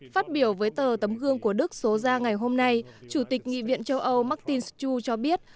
phát biểu với tờ tấm gương của đức số ra ngày hôm nay chủ tịch nghị viện châu âu martinschu cho biết